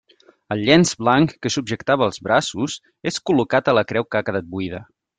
El llenç blanc que subjectava els braços és col·locat a la creu que ha quedat buida.